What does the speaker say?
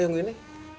kita di squad ya